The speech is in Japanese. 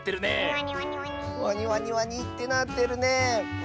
「ワニワニワニ」ってなってるね！